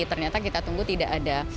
ternyata kita tunggu tidak ada